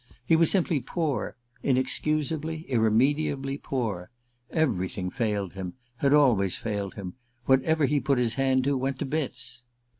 He was simply poor inexcusably, irremediably poor. Everything failed him, had always failed him: whatever he put his hand to went to bits.